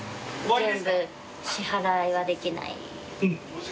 全部支払いはできない。